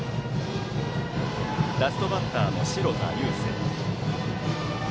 ラストバッターの城田悠晴。